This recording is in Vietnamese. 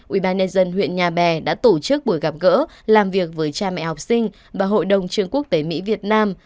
ủy ban nhà dân huyện nhà bè đã tổ chức buổi gặp gỡ làm việc với cha mẹ học sinh và hội đồng trường quốc tế mỹ việt nam